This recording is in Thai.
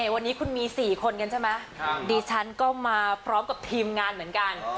วันนี้มี๔คนดิฉันก็จะมาพร้อมกับทีมงานเหมือนกัน